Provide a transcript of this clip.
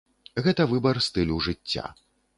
Гэта выбар стылю жыцця.